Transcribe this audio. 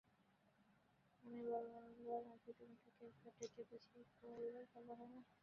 আমি বলবার আগে তুমি তাকে একবার ডেকে বুঝিয়ে বললে ভালো হয় না?